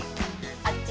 「あっち！